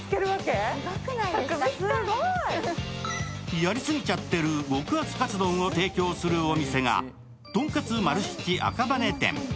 やりすぎちゃってる極厚カツ丼を提供するお店が、とんかつ丸七赤羽店。